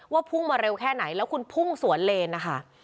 พุ่งมาเร็วแค่ไหนแล้วคุณพุ่งสวนเลนนะคะ